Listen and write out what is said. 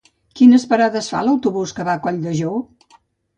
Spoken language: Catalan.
Quines parades fa l'autobús que va a Colldejou?